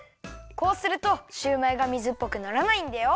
こうするとシューマイが水っぽくならないんだよ。